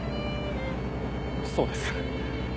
そうです。